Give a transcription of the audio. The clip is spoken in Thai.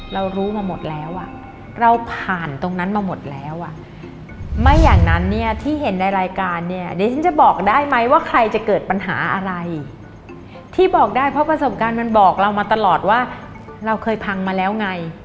เรารู้มาหมดแล้วอ่ะเราผ่านตรงนั้นมาหมดแล้วอ่ะไม่อย่างนั้นเนี่ยที่เห็นในรายการเนี่ยดิฉันจะบอกได้ไหมว่าใครจะเกิดปัญหาอะไรที่บอกได้เพราะประสบการณ์มันบอกเรามาตลอดว่าเราเคยพังมาแล้วไง